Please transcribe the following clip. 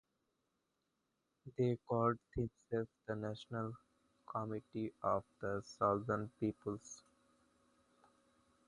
They called themselves the National Committee for the Salvation of the People.